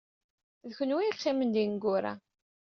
D kenwi ay yeqqimen d ineggura.